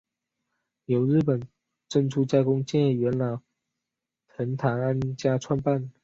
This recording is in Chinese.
由日本珍珠加工界元老藤堂安家创办。